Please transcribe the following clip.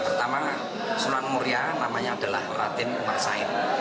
pertama sunan muria namanya adalah ratim umar sain